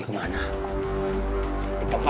ketika di rumah